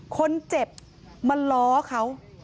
คนเจ็บมาล้อเขา